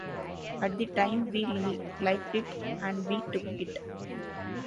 At the time we liked it, and we took it.